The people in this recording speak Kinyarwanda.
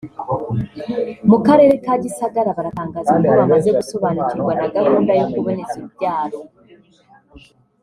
mu Karere ka Gisagara baratangaza ko bamaze gusobanukirwa na gahunda yo kuboneza urubyaro